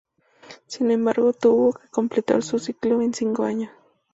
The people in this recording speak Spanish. Sin embargo, tuvo que completar su ciclo en cinco años.